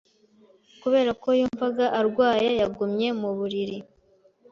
Kubera ko yumvaga arwaye, yagumye mu buriri.